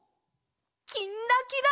「きんらきら」。